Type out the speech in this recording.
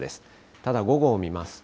ただ、午後を見ますと。